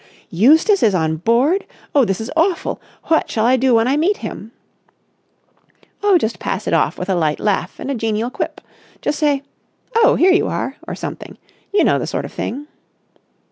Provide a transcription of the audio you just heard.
"Eustace is on board! Oh, this is awful! What shall I do when I meet him?" "Oh, pass it off with a light laugh and a genial quip. Just say: 'Oh, here you are!' or something. You know the sort of thing."